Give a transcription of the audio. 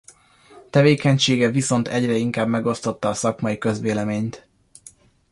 Tevékenysége viszont egyre inkább megosztotta a szakmai közvéleményt.